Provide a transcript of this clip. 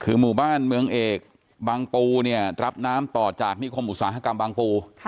คือหมู่บ้านเมืองเอกบางปูเนี่ยรับน้ำต่อจากนิคมอุตสาหกรรมบางปู